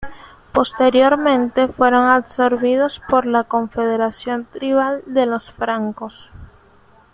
Posteriormente fueron absorbidos por la confederación tribal de los francos.